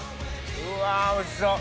うわおいしそう！